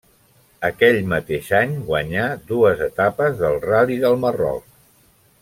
Aquell mateix any guanyà dues etapes del Ral·li del Marroc.